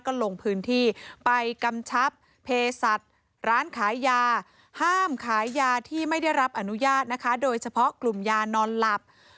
ก็ลงพื้นที่ไปกำชับเพศัตริย์ร้านขายยาห้ามขายยาที่ไม่ได้รับอนุญาตนะคะโดยเฉพาะกลุ่มยานอนหลับ